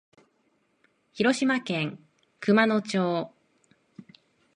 広島県熊野町